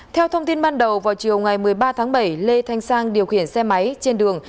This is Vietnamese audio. theo thông tin ban đầu vào chiều ngày một mươi ba tháng bảy lê thanh sang điều khiển xe máy trên đường